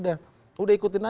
ya pada akhirnya